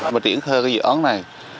mình triển khai cái dự án này